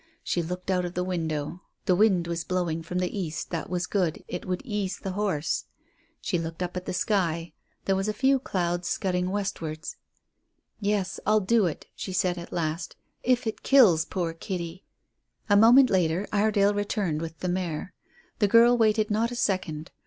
She looked out of the window. The wind was blowing from the east; that was good, it would ease the horse. She looked up at the sky, there were a few clouds scudding westwards. "Yes, I'll do it," she said at last, "if it kills poor Kitty." A moment later Iredale returned with the mare. The girl waited not a second.